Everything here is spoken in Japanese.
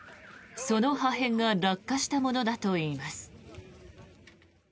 その破片が落下したものだといいます。